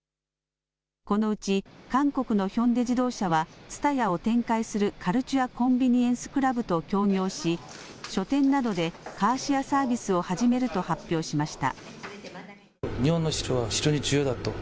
このうち韓国のヒョンデ自動車はＴＳＵＴＡＹＡを展開するカルチュア・コンビニエンス・クラブと協業し書店などでカーシェアサービスを始めると発表しました。